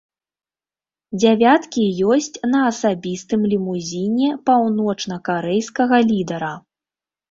Дзявяткі ёсць на асабістым лімузіне паўночнакарэйскага лідара.